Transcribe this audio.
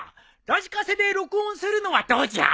ラジカセで録音するのはどうじゃ？